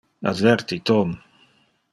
Adverti Tom.